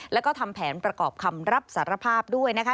แล้วก็ทำแผนประกอบคำรับสารภาพด้วยนะคะ